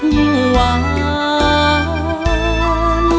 ยิ่งหวาน